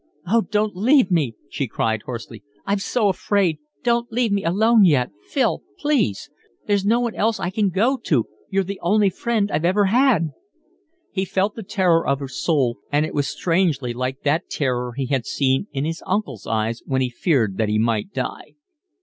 "Oh, don't leave me," she cried hoarsely. "I'm so afraid, don't leave me alone yet. Phil, please. There's no one else I can go to, you're the only friend I've ever had." He felt the terror of her soul, and it was strangely like that terror he had seen in his uncle's eyes when he feared that he might die.